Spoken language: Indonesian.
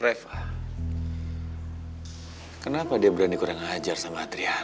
reva kenapa dia berani kurang ngajar sama triana